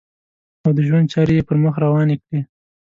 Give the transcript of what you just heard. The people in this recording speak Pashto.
او د ژوند چارې یې پر مخ روانې کړې.